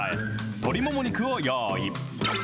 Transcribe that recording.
鶏もも肉を用意。